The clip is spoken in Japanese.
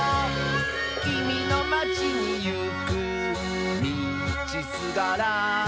「きみのまちにいくみちすがら」